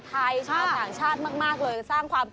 ปล่อยยานอวกาศมีเอเลียนบุกแล้ว